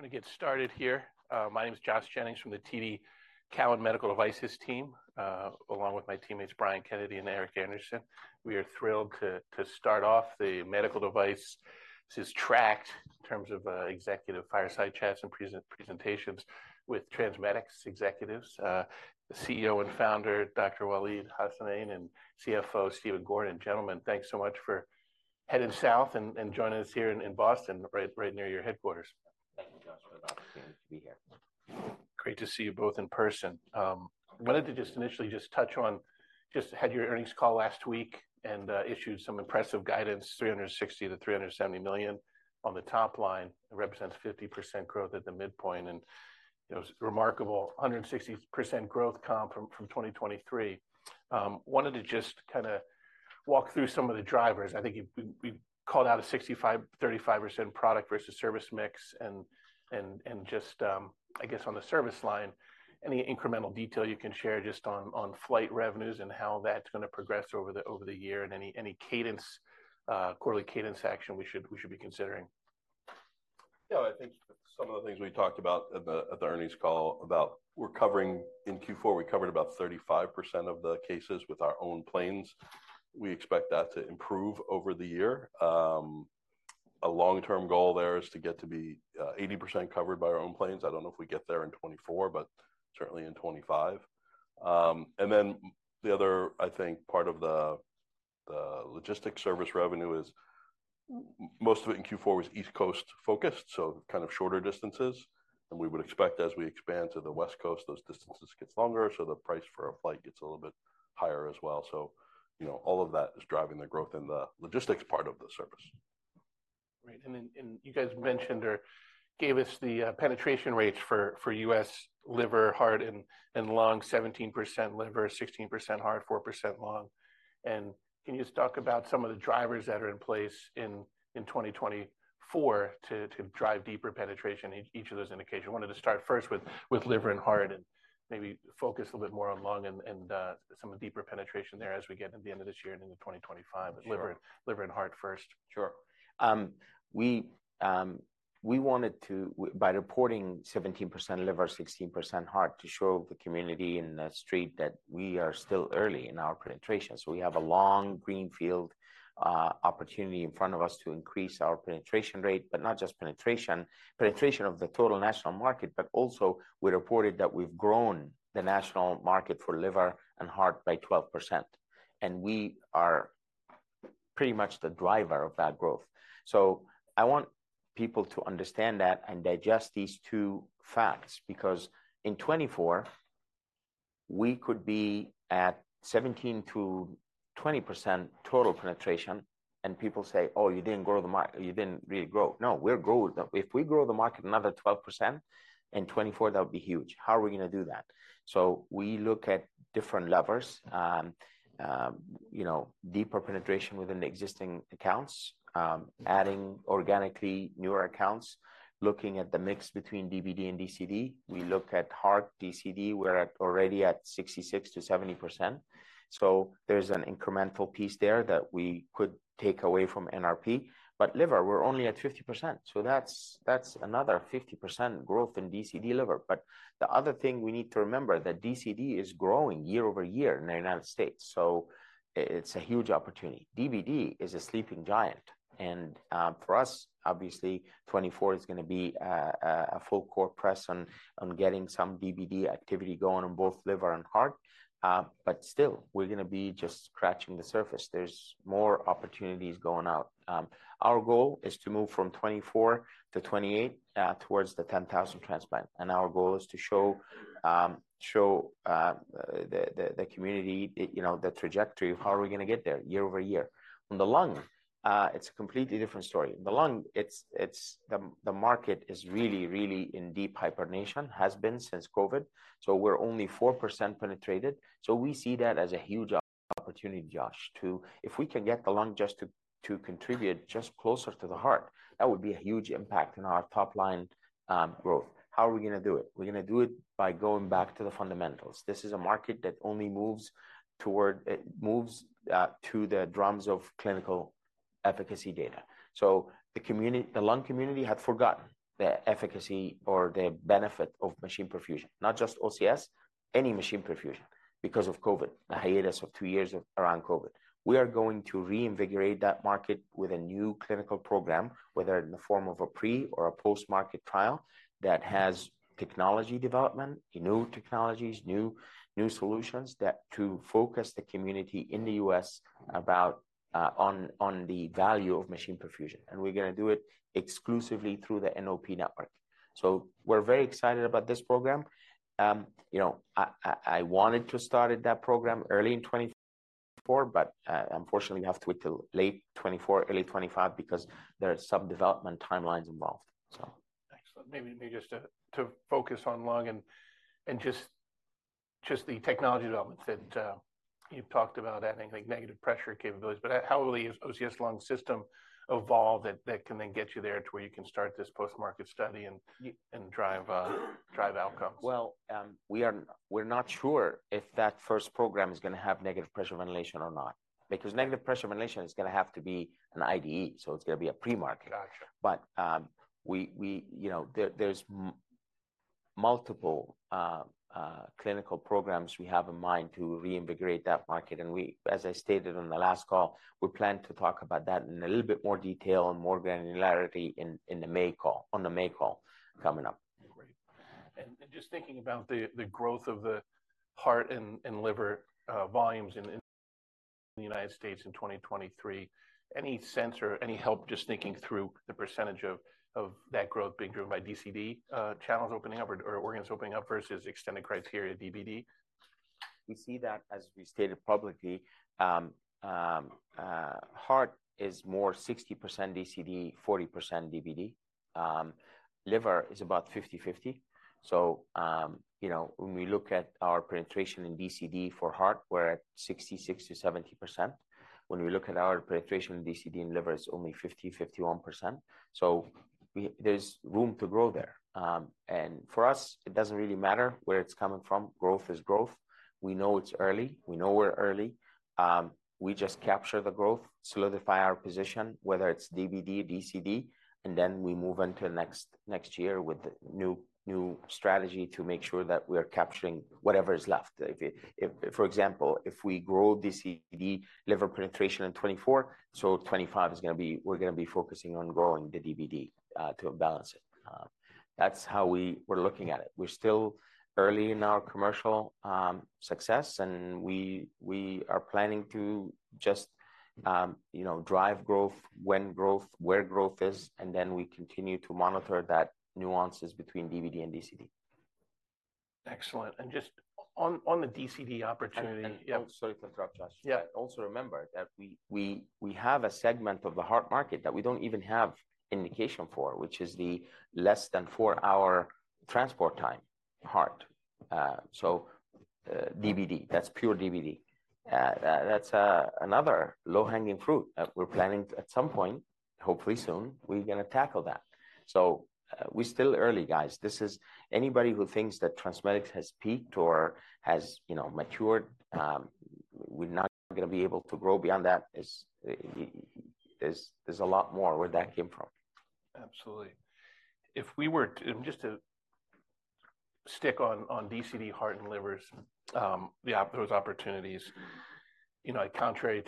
Going to get started here. My name is Josh Jennings from the TD Cowen Medical Devices team, along with my teammates Brian Kennedy and Eric Anderson. We are thrilled to start off the medical devices track in terms of executive fireside chats and presentations with TransMedics executives, CEO and founder Dr. Waleed Hassanein, and CFO Stephen Gordon. Gentlemen, thanks so much for heading south and joining us here in Boston, right near your headquarters. Thank you, Josh, for the opportunity to be here. Great to see you both in person. I wanted to just initially just touch on just had your earnings call last week and issued some impressive guidance, $360 million-$370 million on the top line, represents 50% growth at the midpoint. It was remarkable 160% growth comp from 2023. Wanted to just kind of walk through some of the drivers. I think we called out a 65%-35% product versus service mix and just, I guess, on the service line, any incremental detail you can share just on flight revenues and how that's going to progress over the year and any cadence, quarterly cadence action we should be considering. Yeah, I think some of the things we talked about at the earnings call about we're covering in Q4, we covered about 35% of the cases with our own planes. We expect that to improve over the year. A long-term goal there is to get to be 80% covered by our own planes. I don't know if we get there in 2024, but certainly in 2025. And then the other, I think, part of the logistics service revenue is most of it in Q4 was East Coast focused, so kind of shorter distances. And we would expect as we expand to the West Coast, those distances get longer, so the price for a flight gets a little bit higher as well. So all of that is driving the growth in the logistics part of the service. Right. And you guys mentioned or gave us the penetration rates for U.S. liver, heart, and lung, 17% liver, 16% heart, 4% lung. And can you just talk about some of the drivers that are in place in 2024 to drive deeper penetration, each of those indications? I wanted to start first with liver and heart and maybe focus a little bit more on lung and some of the deeper penetration there as we get to the end of this year and into 2025 with liver and heart first. Sure. We wanted to, by reporting 17% liver, 16% heart, to show the community in the street that we are still early in our penetration. So we have a long greenfield opportunity in front of us to increase our penetration rate, but not just penetration, penetration of the total national market, but also we reported that we've grown the national market for liver and heart by 12%. And we are pretty much the driver of that growth. So I want people to understand that and digest these two facts because in 2024, we could be at 17%-20% total penetration. And people say, "Oh, you didn't grow the market. You didn't really grow." No, we're growing. If we grow the market another 12% in 2024, that would be huge. How are we going to do that? So we look at different levers, deeper penetration within the existing accounts, adding organically newer accounts, looking at the mix between DBD and DCD. We look at heart DCD, we're already at 66%-70%. So there's an incremental piece there that we could take away from NRP. But liver, we're only at 50%. So that's another 50% growth in DCD liver. But the other thing we need to remember is that DCD is growing year-over-year in the United States. So it's a huge opportunity. DBD is a sleeping giant. And for us, obviously, 2024 is going to be a full-court press on getting some DBD activity going on both liver and heart. But still, we're going to be just scratching the surface. There's more opportunities going out. Our goal is to move from 2024 to 2028 towards the 10,000 transplant. Our goal is to show the community the trajectory of how we are going to get there year over year. On the lung, it's a completely different story. On the lung, the market is really, really in deep hibernation, has been since COVID. So we're only 4% penetrated. So we see that as a huge opportunity, Josh, to, if we can get the lung just to contribute just closer to the heart, that would be a huge impact in our top line growth. How are we going to do it? We're going to do it by going back to the fundamentals. This is a market that only moves toward it moves to the drums of clinical efficacy data. So the lung community had forgotten the efficacy or the benefit of machine perfusion, not just OCS, any machine perfusion because of COVID, the hiatus of two years around COVID. We are going to reinvigorate that market with a new clinical program, whether in the form of a pre or a post-market trial that has technology development, new technologies, new solutions to focus the community in the U.S. on the value of machine perfusion. And we're going to do it exclusively through the NOP network. So we're very excited about this program. I wanted to start that program early in 2024, but unfortunately, we have to wait till late 2024, early 2025 because there are some development timelines involved. Excellent. Maybe just to focus on lung and just the technology developments that you've talked about adding negative pressure capabilities. But how will the OCS Lung system evolve that can then get you there to where you can start this post-market study and drive outcomes? Well, we're not sure if that first program is going to have negative pressure ventilation or not because negative pressure ventilation is going to have to be an IDE. So it's going to be a pre-market. But there's multiple clinical programs we have in mind to reinvigorate that market. And as I stated on the last call, we plan to talk about that in a little bit more detail and more granularity on the May call coming up. Great. Just thinking about the growth of the heart and liver volumes in the United States in 2023, any sense or any help just thinking through the percentage of that growth being driven by DCD channels opening up or organs opening up versus extended criteria DBD? We see that, as we stated publicly, heart is more 60% DCD, 40% DBD. Liver is about 50/50. So when we look at our penetration in DCD for heart, we're at 66%-70%. When we look at our penetration in DCD and liver, it's only 50%-51%. So there's room to grow there. And for us, it doesn't really matter where it's coming from. Growth is growth. We know it's early. We know we're early. We just capture the growth, solidify our position, whether it's DBD, DCD, and then we move into next year with a new strategy to make sure that we are capturing whatever is left. For example, if we grow DCD liver penetration in 2024, so 2025 is going to be we're going to be focusing on growing the DBD to balance it. That's how we're looking at it. We're still early in our commercial success. We are planning to just drive growth when growth, where growth is, and then we continue to monitor that nuances between DBD and DCD. Excellent. Just on the DCD opportunity. I'm sorry to interrupt, Josh. Yeah, also remember that we have a segment of the heart market that we don't even have indication for, which is the less than four-hour transport time heart. So DBD, that's pure DBD. That's another low-hanging fruit that we're planning at some point, hopefully soon, we're going to tackle that. So we're still early, guys. Anybody who thinks that TransMedics has peaked or has matured, we're not going to be able to grow beyond that. There's a lot more where that came from. Absolutely. If we were to just stick on DCD heart and livers, those opportunities, contrary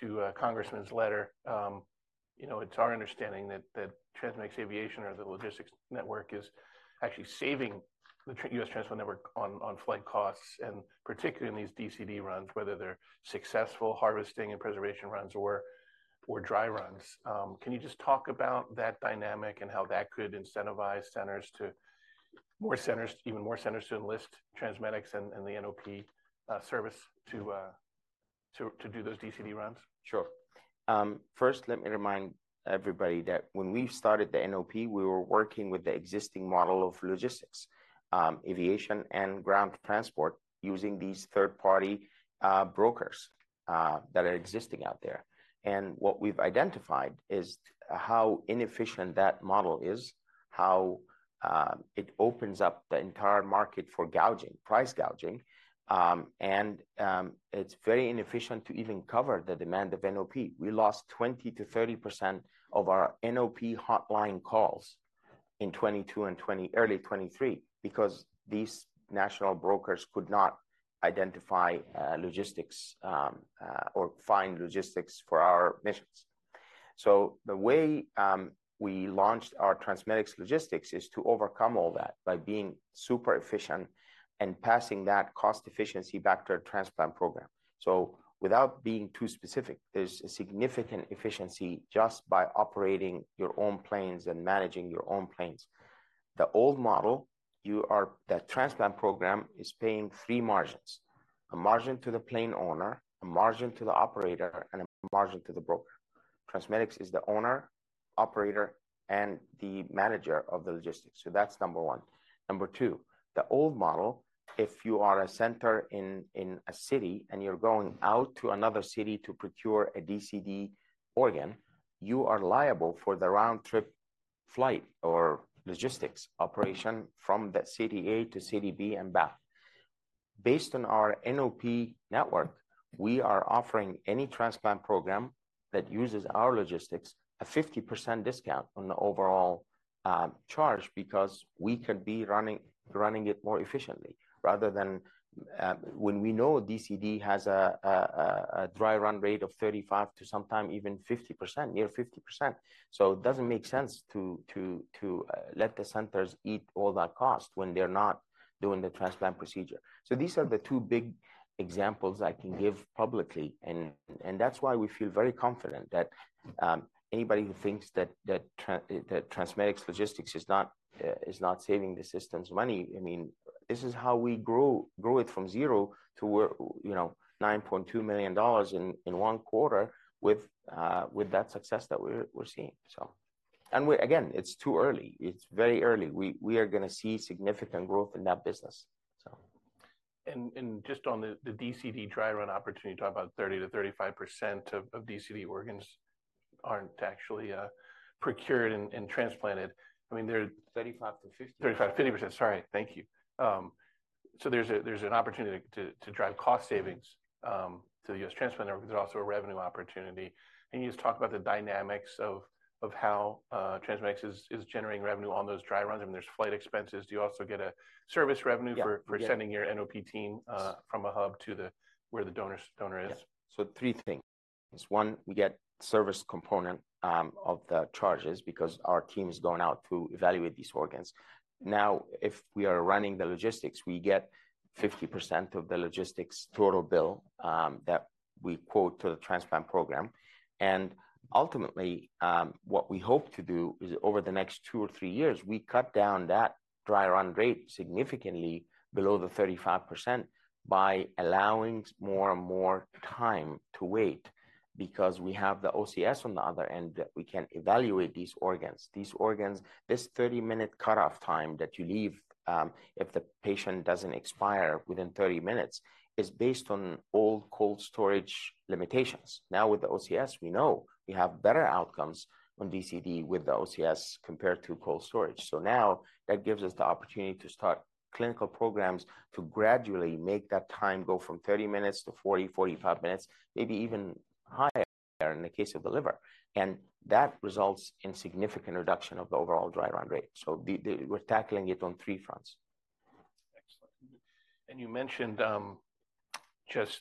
to Congressman's letter, it's our understanding that TransMedics Aviation or the logistics network is actually saving the U.S. transport network on flight costs, and particularly in these DCD runs, whether they're successful harvesting and preservation runs or dry runs. Can you just talk about that dynamic and how that could incentivize centers to even more centers to enlist TransMedics and the NOP service to do those DCD runs? Sure. First, let me remind everybody that when we started the NOP, we were working with the existing model of logistics, aviation and ground transport, using these third-party brokers that are existing out there. And what we've identified is how inefficient that model is, how it opens up the entire market for gouging, price gouging. And it's very inefficient to even cover the demand of NOP. We lost 20%-30% of our NOP hotline calls in 2022 and early 2023 because these national brokers could not identify logistics or find logistics for our missions. So the way we launched our TransMedics logistics is to overcome all that by being super efficient and passing that cost efficiency back to our transplant program. So without being too specific, there's a significant efficiency just by operating your own planes and managing your own planes. The old model, that transplant program is paying three margins: a margin to the plane owner, a margin to the operator, and a margin to the broker. TransMedics is the owner, operator, and the manager of the logistics. So that's number one. Number two, the old model, if you are a center in a city and you're going out to another city to procure a DCD organ, you are liable for the round-trip flight or logistics operation from that city A to city B and back. Based on our NOP network, we are offering any transplant program that uses our logistics a 50% discount on the overall charge because we can be running it more efficiently rather than when we know DCD has a dry run rate of 35%-sometime even 50%, near 50%. So it doesn't make sense to let the centers eat all that cost when they're not doing the transplant procedure. So these are the two big examples I can give publicly. And that's why we feel very confident that anybody who thinks that TransMedics logistics is not saving the system's money, I mean, this is how we grew it from zero to $9.2 million in one quarter with that success that we're seeing. And again, it's too early. It's very early. We are going to see significant growth in that business. Just on the DCD dry run opportunity, you talk about 30%-35% of DCD organs aren't actually procured and transplanted. I mean, they're. 35% to 50%. 35%-50%. Sorry. Thank you. So there's an opportunity to drive cost savings to the U.S. transplant network. There's also a revenue opportunity. And you just talked about the dynamics of how TransMedics is generating revenue on those dry runs. I mean, there's flight expenses. Do you also get a service revenue for sending your NOP team from a hub to where the donor is? So three things. One, we get service component of the charges because our team is going out to evaluate these organs. Now, if we are running the logistics, we get 50% of the logistics total bill that we quote to the transplant program. And ultimately, what we hope to do is over the next two or three years, we cut down that dry run rate significantly below the 35% by allowing more and more time to wait because we have the OCS on the other end that we can evaluate these organs. This 30-minute cutoff time that you leave if the patient doesn't expire within 30 minutes is based on old cold storage limitations. Now with the OCS, we know we have better outcomes on DCD with the OCS compared to cold storage. Now that gives us the opportunity to start clinical programs to gradually make that time go from 30 minutes to 40, 45 minutes, maybe even higher in the case of the liver. That results in significant reduction of the overall Dry Run rate. We're tackling it on three fronts. Excellent. And you mentioned just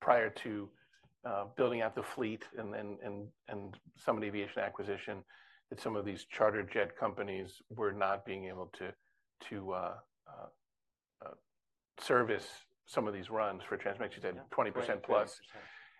prior to building out the fleet and some of the aviation acquisition that some of these charter jet companies were not being able to service some of these runs for TransMedics. You said 20% plus.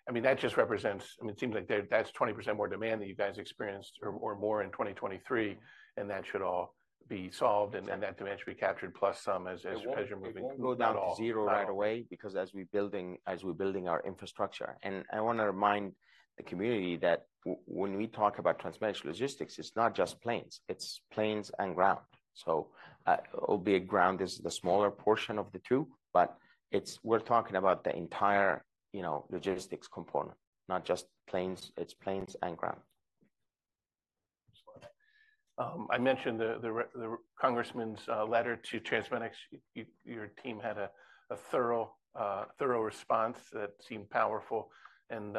I mean, that just represents I mean, it seems like that's 20% more demand that you guys experienced or more in 2023, and that should all be solved and that demand should be captured plus some as you're moving down. We'll go down to zero right away because as we're building our infrastructure. I want to remind the community that when we talk about TransMedics logistics, it's not just planes. It's planes and ground. So obviously, ground is the smaller portion of the two, but we're talking about the entire logistics component, not just planes. It's planes and ground. Excellent. I mentioned the Congressman's letter to TransMedics. Your team had a thorough response that seemed powerful and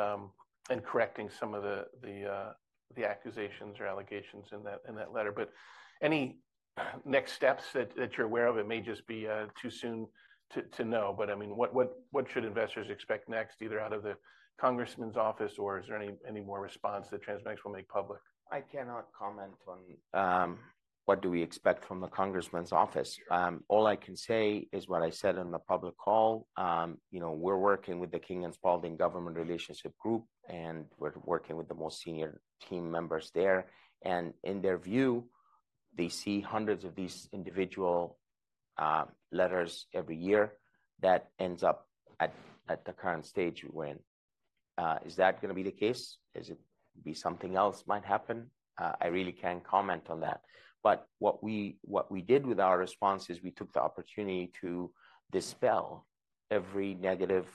correcting some of the accusations or allegations in that letter. Any next steps that you're aware of? It may just be too soon to know. I mean, what should investors expect next, either out of the Congressman's office or is there any more response that TransMedics will make public? I cannot comment on what do we expect from the Congressman's office. All I can say is what I said on the public call. We're working with the King & Spalding Government Relationship Group, and we're working with the most senior team members there. And in their view, they see hundreds of these individual letters every year that ends up at the current stage we're in. Is that going to be the case? Is it be something else might happen? I really can't comment on that. But what we did with our response is we took the opportunity to dispel every negative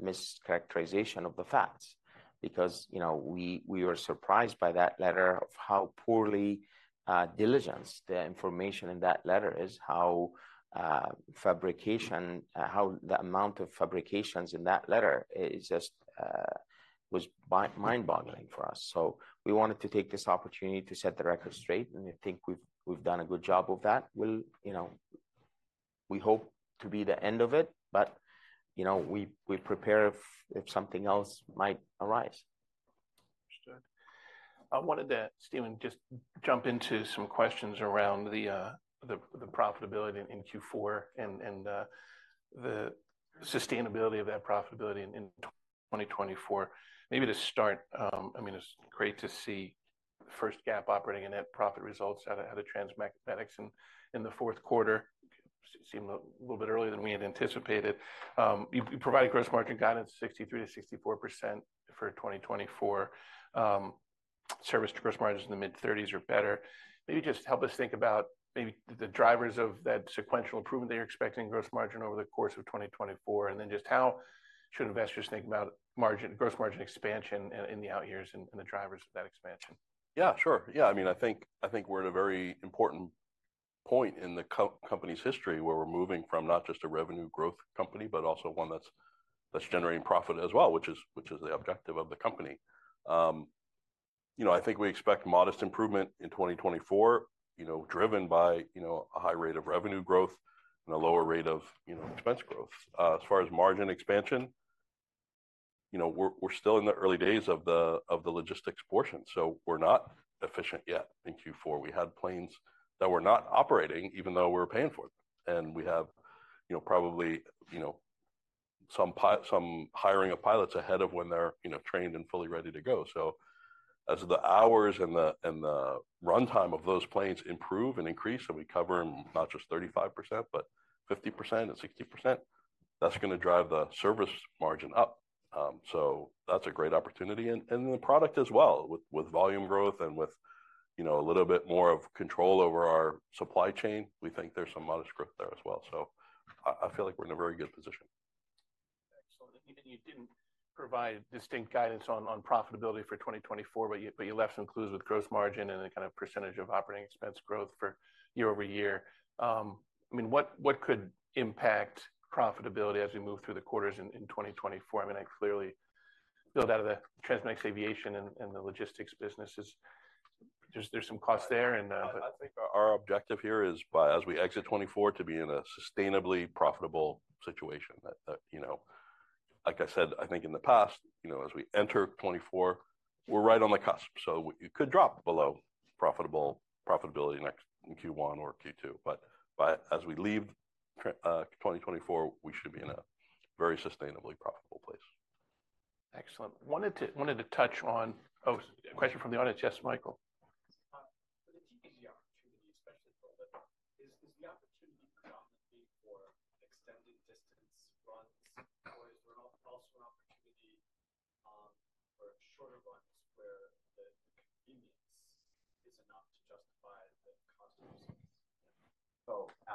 mischaracterization of the facts because we were surprised by that letter of how poorly diligent the information in that letter is, how the amount of fabrications in that letter was mind-boggling for us. So we wanted to take this opportunity to set the record straight. I think we've done a good job of that. We hope to be the end of it, but we prepare if something else might arise. Understood. I wanted to, Stephen, just jump into some questions around the profitability in Q4 and the sustainability of that profitability in 2024. Maybe to start, I mean, it's great to see the first GAAP operating and net profit results out of TransMedics in the fourth quarter. Seemed a little bit earlier than we had anticipated. You provided gross margin guidance 63%-64% for 2024. Service gross margins in the mid-30s% or better. Maybe just help us think about maybe the drivers of that sequential improvement that you're expecting gross margin over the course of 2024, and then just how should investors think about gross margin expansion in the out years and the drivers of that expansion? Yeah, sure. Yeah. I mean, I think we're at a very important point in the company's history where we're moving from not just a revenue growth company, but also one that's generating profit as well, which is the objective of the company. I think we expect modest improvement in 2024, driven by a high rate of revenue growth and a lower rate of expense growth. As far as margin expansion, we're still in the early days of the logistics portion. So we're not efficient yet in Q4. We had planes that were not operating, even though we were paying for them. We have probably some hiring of pilots ahead of when they're trained and fully ready to go. So as the hours and the runtime of those planes improve and increase, and we cover them not just 35%, but 50% and 60%, that's going to drive the service margin up. So that's a great opportunity. And then the product as well, with volume growth and with a little bit more of control over our supply chain, we think there's some modest growth there as well. So I feel like we're in a very good position. Excellent. You didn't provide distinct guidance on profitability for 2024, but you left some clues with gross margin and the kind of percentage of operating expense growth for year-over-year. I mean, what could impact profitability as we move through the quarters in 2024? I mean, I clearly built out of the TransMedics aviation and the logistics businesses. There's some costs there, but. I think our objective here is, as we exit 2024, to be in a sustainably profitable situation. Like I said, I think in the past, as we enter 2024, we're right on the cusp. So it could drop below profitability in Q1 or Q2. But as we leave 2024, we should be in a very sustainably profitable place. Excellent. Wanted to touch on. Oh, question from the audience. Yes, Michael.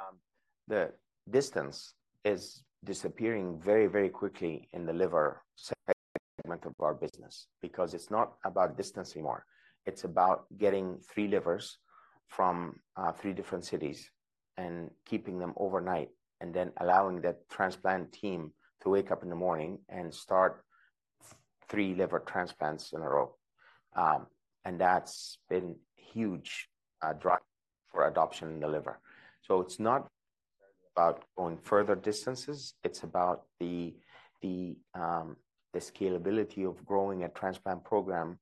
For the DBD opportunity, especially the little bit, is the opportunity predominantly for extended distance runs, or is there also an opportunity for shorter runs where the convenience is enough to justify the cost of resources? The distance is disappearing very, very quickly in the liver segment of our business because it's not about distance anymore. It's about getting three livers from three different cities and keeping them overnight and then allowing that transplant team to wake up in the morning and start three liver transplants in a row. That's been a huge drive for adoption in the liver. It's not about going further distances. It's about the scalability of growing a transplant program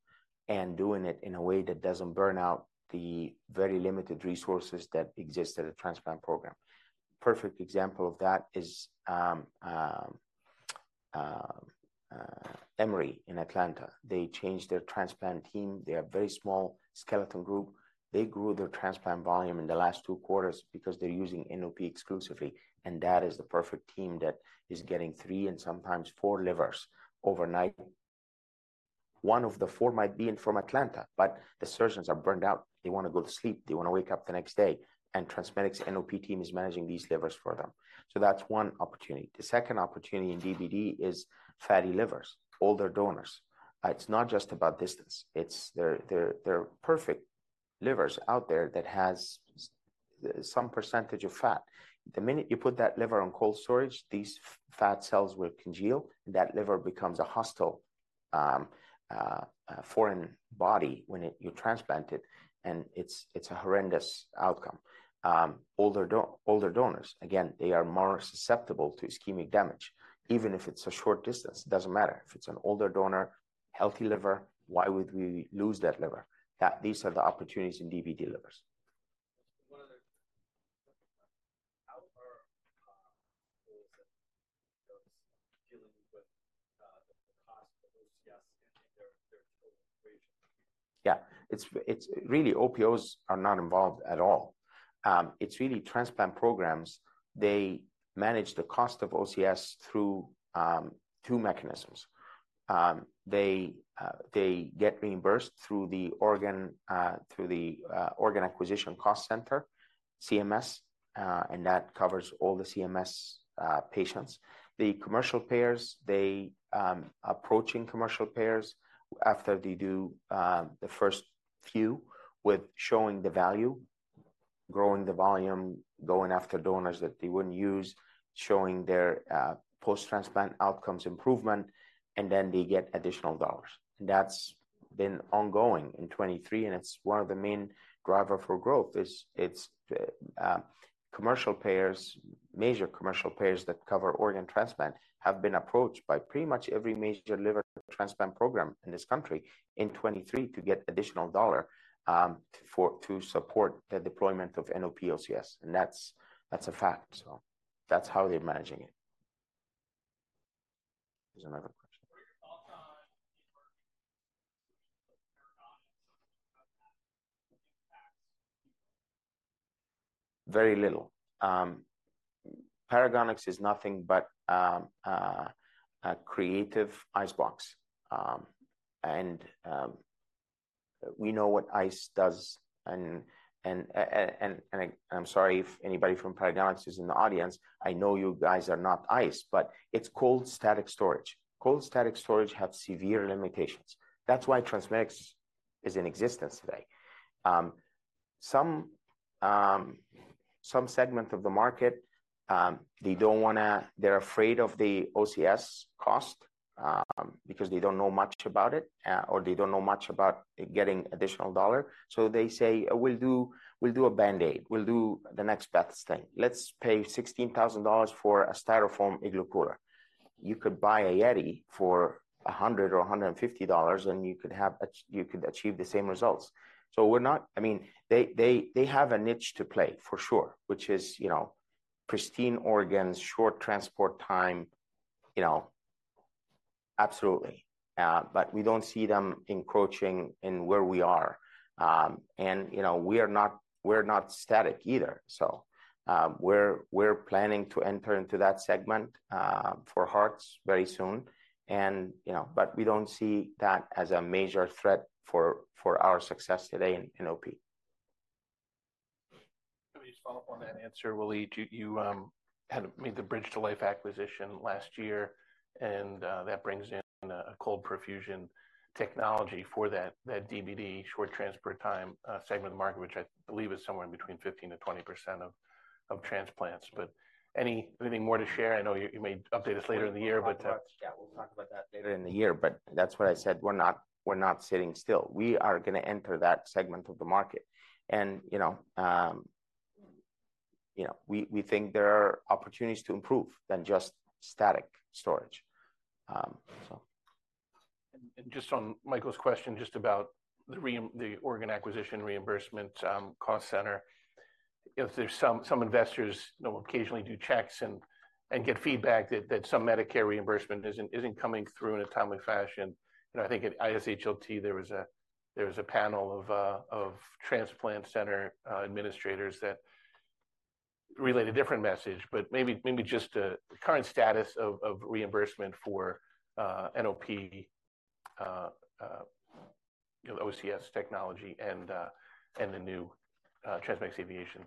and doing it in a way that doesn't burn out the very limited resources that exist at a transplant program. A perfect example of that is Emory in Atlanta. They changed their transplant team. They have a very small skeleton group. They grew their transplant volume in the last two quarters because they're using NOP exclusively. That is the perfect team that is getting three and sometimes four livers overnight. One of the four might be from Atlanta, but the surgeons are burned out. They want to go to sleep. They want to wake up the next day. And TransMedics NOP team is managing these livers for them. So that's one opportunity. The second opportunity in DBD is fatty livers, older donors. It's not just about distance. There are perfect livers out there that have some percentage of fat. The minute you put that liver on cold storage, these fat cells will congeal, and that liver becomes a hostile foreign body when you transplant it. And it's a horrendous outcome. Older donors, again, they are more susceptible to ischemic damage. Even if it's a short distance, it doesn't matter. If it's an older donor, healthy liver, why would we lose that liver? These are the opportunities in DBD livers. How are OPOs dealing with the cost of OCS and their total operations? Yeah. Really, OPOs are not involved at all. It's really transplant programs. They manage the cost of OCS through two mechanisms. They get reimbursed through the Organ Acquisition Cost Center, CMS, and that covers all the CMS patients. The commercial payers, they are approaching commercial payers after they do the first few with showing the value, growing the volume, going after donors that they wouldn't use, showing their post-transplant outcomes improvement, and then they get additional dollars. And that's been ongoing in 2023. And it's one of the main drivers for growth. Major commercial payers that cover organ transplant have been approached by pretty much every major liver transplant program in this country in 2023 to get additional dollar to support the deployment of NOP OCS. And that's a fact. So that's how they're managing it. There's another question. Very little. Paragonix is nothing but a creative ice box. And we know what ice does. And I'm sorry if anybody from Paragonix is in the audience. I know you guys are not ice, but it's cold static storage. Cold static storage has severe limitations. That's why TransMedics is in existence today. Some segment of the market, they don't want to, they're afraid of the OCS cost because they don't know much about it or they don't know much about getting additional dollar. So they say, "We'll do a Band-Aid. We'll do the next best thing. Let's pay $16,000 for a Styrofoam igloo cooler." You could buy a Yeti for $100 or $150, and you could achieve the same results. So I mean, they have a niche to play, for sure, which is pristine organs, short transport time. Absolutely. But we don't see them encroaching in where we are. And we're not static either. We're planning to enter into that segment for hearts very soon. We don't see that as a major threat for our success today in NOP. Let me just follow up on that answer, Waleed. You had made the Bridge to Life acquisition last year, and that brings in a cold perfusion technology for that DBD short transport time segment of the market, which I believe is somewhere in between 15%-20% of transplants. But anything more to share? I know you may update us later in the year, but. Yeah, we'll talk about that later in the year. But that's what I said. We're not sitting still. We are going to enter that segment of the market. And we think there are opportunities to improve than just static storage, so. Just on Michael's question just about the organ acquisition reimbursement cost center, if there's some investors who occasionally do checks and get feedback that some Medicare reimbursement isn't coming through in a timely fashion. I think at ISHLT, there was a panel of transplant center administrators that relayed a different message. Maybe just the current status of reimbursement for NOP OCS technology and the new TransMedics aviation?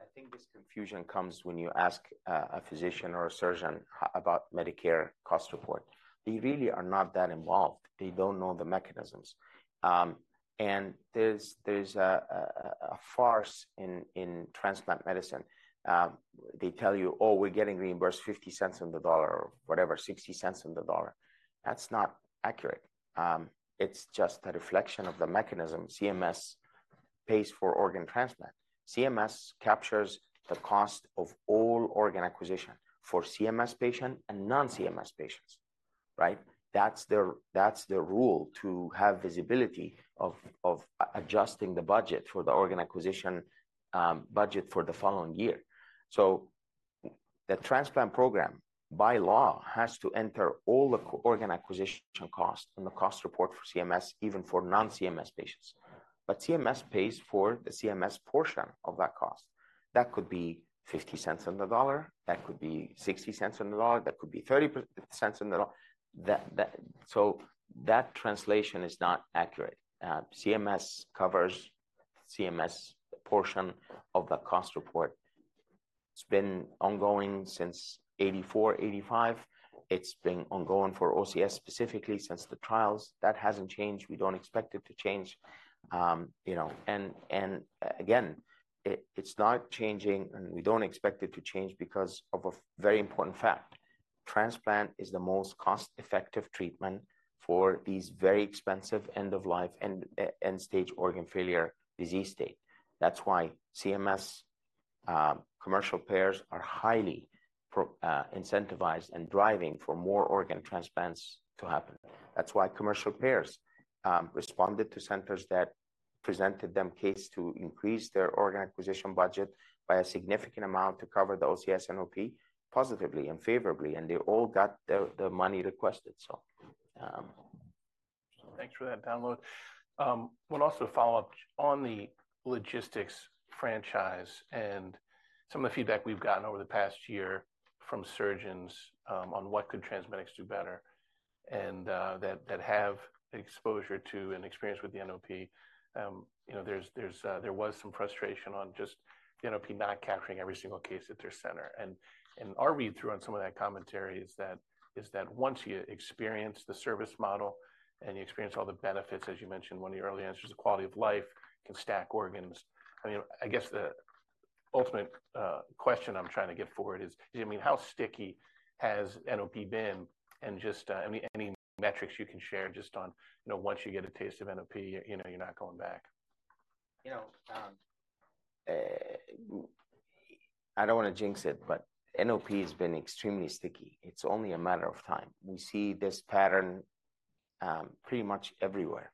I think this confusion comes when you ask a physician or a surgeon about Medicare cost report. They really are not that involved. They don't know the mechanisms. And there's a farce in transplant medicine. They tell you, "Oh, we're getting reimbursed $0.50 on the dollar or whatever, $0.60 on the dollar." That's not accurate. It's just a reflection of the mechanism. CMS pays for organ transplant. CMS captures the cost of all organ acquisition for CMS patients and non-CMS patients, right? That's the rule. To have visibility of adjusting the budget for the organ acquisition budget for the following year. So the transplant program, by law, has to enter all the organ acquisition costs in the cost report for CMS, even for non-CMS patients. But CMS pays for the CMS portion of that cost. That could be $0.50 on the dollar. That could be $0.60 on the dollar. That could be $0.30 on the dollar. So that translation is not accurate. CMS covers CMS portion of the cost report. It's been ongoing since 1984, 1985. It's been ongoing for OCS specifically since the trials. That hasn't changed. We don't expect it to change. And again, it's not changing, and we don't expect it to change because of a very important fact. Transplant is the most cost-effective treatment for these very expensive end-of-life end-stage organ failure disease states. That's why CMS commercial payers are highly incentivized and driving for more organ transplants to happen. That's why commercial payers responded to centers that presented them cases to increase their organ acquisition budget by a significant amount to cover the OCS NOP positively and favorably. And they all got the money requested, so. Thanks for that download. I want to also follow up on the logistics franchise and some of the feedback we've gotten over the past year from surgeons on what could TransMedics do better and that have exposure to and experience with the NOP. There was some frustration on just the NOP not capturing every single case at their center. Our read-through on some of that commentary is that once you experience the service model and you experience all the benefits, as you mentioned in one of your early answers, the quality of life can stack organs. I mean, I guess the ultimate question I'm trying to get forward is, I mean, how sticky has NOP been? Just any metrics you can share just on once you get a taste of NOP, you're not going back. I don't want to jinx it, but NOP has been extremely sticky. It's only a matter of time. We see this pattern pretty much everywhere.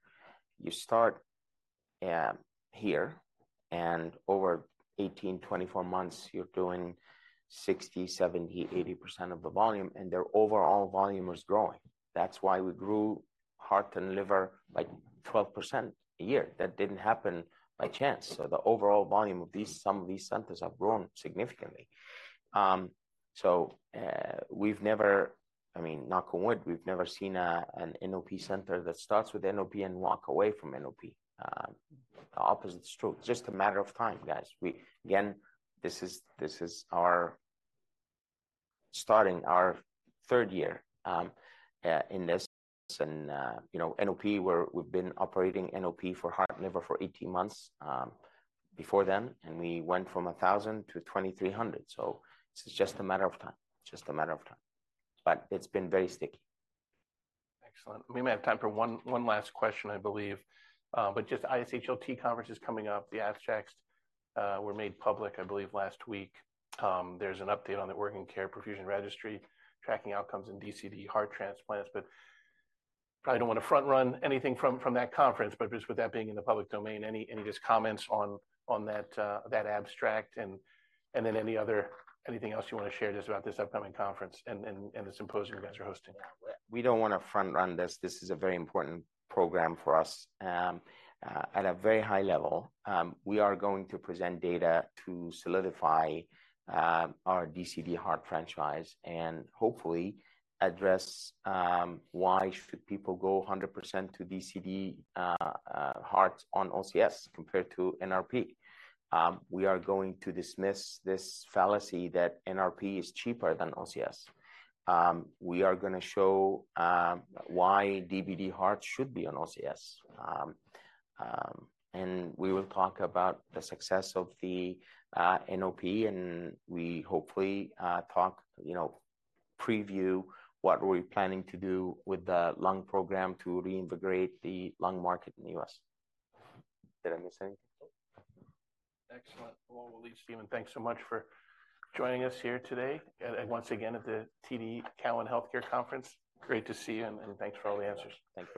You start here, and over 18 months, 24 months, you're doing 60%, 70%, 80% of the volume, and their overall volume is growing. That's why we grew heart and liver by 12% a year. That didn't happen by chance. So the overall volume of some of these centers have grown significantly. So we've never I mean, knock on wood, we've never seen an NOP center that starts with NOP and walk away from NOP. The opposite is true. It's just a matter of time, guys. Again, this is starting our third year in this. And NOP, we've been operating NOP for heart and liver for 18 months before then. And we went from 1,000 to 2,300. So it's just a matter of time. It's just a matter of time. But it's been very sticky. Excellent. We may have time for one last question, I believe. But just ISHLT conference is coming up. The abstracts were made public, I believe, last week. There's an update on the Organ Care Perfusion Registry tracking outcomes in DCD heart transplants. But I probably don't want to front-run anything from that conference. But just with that being in the public domain, any just comments on that abstract and then anything else you want to share just about this upcoming conference and the symposium you guys are hosting? Yeah. We don't want to front-run this. This is a very important program for us at a very high level. We are going to present data to solidify our DCD heart franchise and hopefully address why should people go 100% to DCD hearts on OCS compared to NRP? We are going to dismiss this fallacy that NRP is cheaper than OCS. We are going to show why DBD hearts should be on OCS. We will talk about the success of the NOP. We hopefully preview what we're planning to do with the lung program to reintegrate the lung market in the U.S. Did I miss anything? Excellent. Well, Waleed Stephen, thanks so much for joining us here today and once again at the TD Cowen Healthcare Conference. Great to see you, and thanks for all the answers. Thank you.